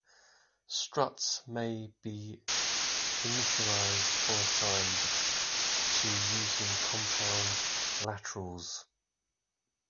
Structs may be initialized or assigned to using compound literals.